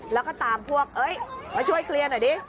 แล้วก็ตามพวกมาช่วยเคลียร์หน่อยดิ